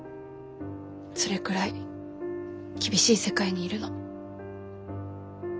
それくらい厳しい世界にいるの。